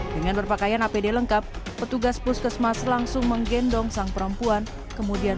dengan berpakaian apd lengkap petugas puskesmas langsung menggendong sang perempuan kemudian